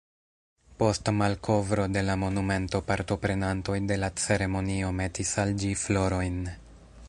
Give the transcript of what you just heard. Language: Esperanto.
Post malkovro de la monumento partoprenantoj de la ceremonio metis al ĝi florojn.